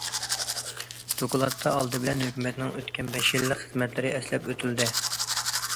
دوكلاتتا ئالدى بىلەن ھۆكۈمەتنىڭ ئۆتكەن بەش يىللىق خىزمەتلىرى ئەسلەپ ئۆتۈلدى.